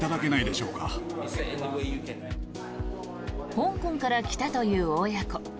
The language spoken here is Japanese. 香港から来たという親子。